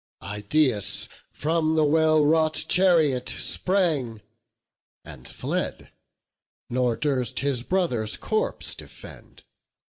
Idaeus from the well wrought chariot sprang, And fled, nor durst his brother's corpse defend.